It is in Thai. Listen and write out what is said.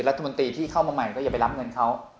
ใครที่เข้ามาใหม่ก็อย่าไปรับเงินเขา